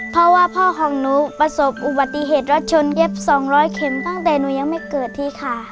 เพราะว่าพ่อของหนูประสบอุบัติเหตุรถชนเย็บ๒๐๐เข็มตั้งแต่หนูยังไม่เกิดที่ค่ะ